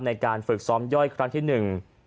ในการฝึกซ้อมย่อยครั้งที่หนึ่ง